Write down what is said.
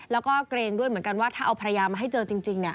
แล้วก็เกรงด้วยเหมือนกันว่าถ้าเอาภรรยามาให้เจอจริง